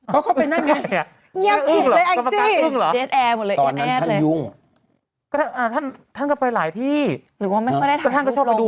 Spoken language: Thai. เขาก็ไปนั่นไง